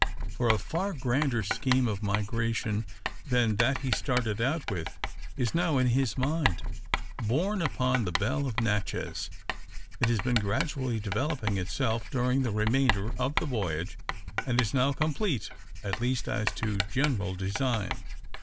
For a far grander scheme of migration, than that he started out with, is now in his mind. Born upon the Belle of Natchez, it has been gradually developing itself during the remainder of the voyage, and is now complete at least as to general design.